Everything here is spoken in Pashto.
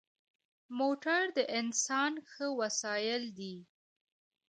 موټر د انسان ښه وسایل دی.